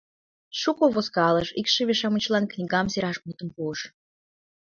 Шуко возкалыш, икшыве-шамычлан книгам сераш мутым пуыш.